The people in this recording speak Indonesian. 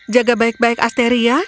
jaga baik baik asteria